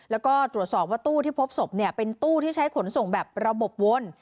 แล้วก็ตรวจสอบว่าตู้ที่พบศพเป็นตู้ที่ใช้ขนส่งแบบระบบวน